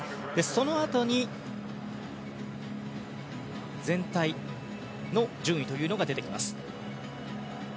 そのあとに、全体の順位が出てきます。